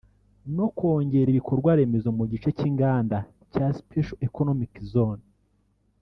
no kongera ibikorwaremezo mu gice cy’inganda cya “Special Economic Zone”